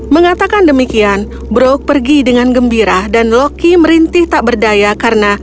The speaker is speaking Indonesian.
mengatakan demikian brok pergi dengan gembira dan loki merintih tak berdaya karena